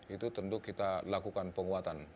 itu tentu kita lakukan penguatan